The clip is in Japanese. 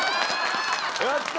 やった！